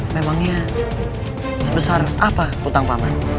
memangnya sebesar apa utang paman